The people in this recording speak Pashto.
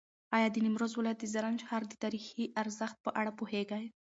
ایا د نیمروز ولایت د زرنج ښار د تاریخي ارزښت په اړه پوهېږې؟